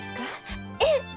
ええ！